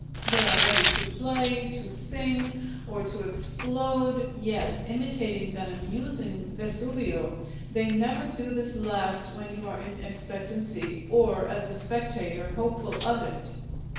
They are ready to play, to sing or to explode, yet, imitating that amusing Vesuvio, they never do this last when you are in expectancy, or, as a spectator, hopeful of it.